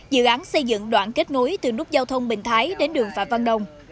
dự án xây dựng đoạn kết nối từ nút giao thông bình thái đến đường phạm văn đồng